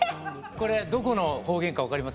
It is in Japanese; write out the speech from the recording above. これどこの方言か分かります？